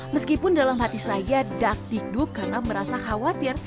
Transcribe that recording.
meskipun dalam hati saya dak tikduk karena merasa khawatir